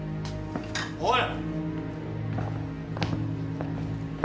おい！